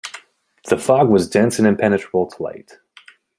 The fog was dense and impenetrable to light.